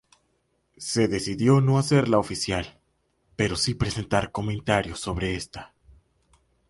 Se decidió no hacerla oficial, pero si presentar comentarios sobre esta.